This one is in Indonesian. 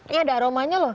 ini ada aromanya loh